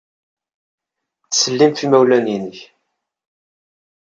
Ttsellim ɣef yimawlan-nnek.